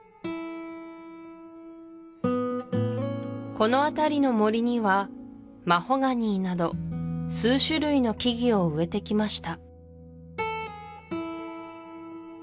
このあたりの森にはマホガニーなど数種類の木々を植えてきました